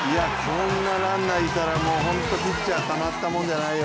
こんなランナーいたら本当にピッチャーたまったもんじゃないよ。